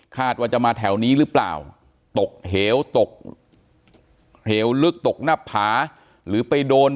ว่าจะมาแถวนี้หรือเปล่าตกเหวตกเหวลึกตกหน้าผาหรือไปโดน